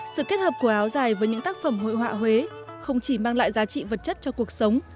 sự kết hợp của áo dài với những tác phẩm hội họa huế không chỉ mang lại giá trị vật chất cho cuộc sống